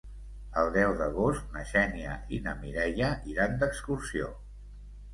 El deu d'agost na Xènia i na Mireia iran d'excursió.